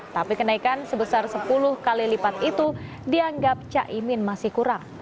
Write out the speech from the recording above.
tapi kenaikan sebesar sepuluh kali lipat itu dianggap caimin masih kurang